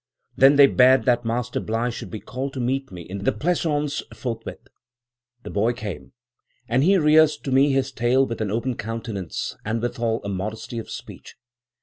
Then they bade that Master Bligh should be called to meet me in the pleasaunce forthwith. The boy came, and he rehearsed to me his tale with an open countenance, and, withal, a modesty of speech.